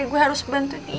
gue harus bantu dia